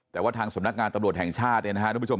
แต่ว่าทางสำนักงานตำรวจแห่งชาติเนี่ยนะครับทุกผู้ชม